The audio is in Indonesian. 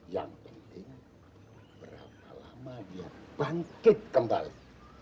yang penting berapa lama dia bangkit kembali